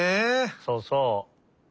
そうそう。